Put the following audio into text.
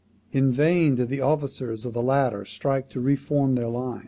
In vain did the officers of the latter strive to re form their line.